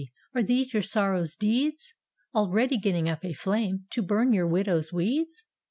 Are these your sorrow's deeds, Already getting up a flame To burn your widows' weeds?